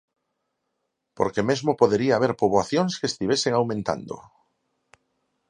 Porque mesmo podería haber poboacións que estivesen aumentando.